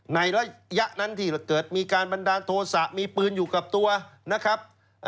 ในระยะนั้นที่เกิดมีการบันดาลโทษะมีปืนอยู่กับตัวนะครับ